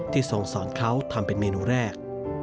ที่ทรงสรรค์เขาทำเป็นเมนูแรก